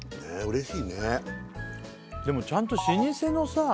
嬉しいねでもちゃんと老舗のさ